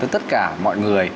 tất cả mọi người